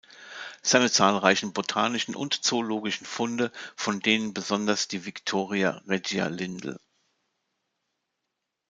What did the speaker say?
Seine zahlreichen botanischen und zoologischen Funde, von denen besonders die "Victoria regia" Lindl.